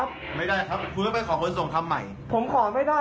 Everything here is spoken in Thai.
พี่ผมไปขอแล้วแต่เขายังไม่ให้